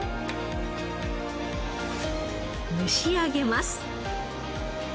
蒸し上げます。